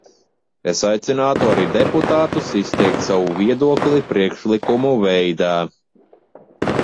Es aicinātu arī deputātus izteikt savu viedokli priekšlikumu veidā.